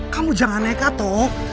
kamu jangan nekat toh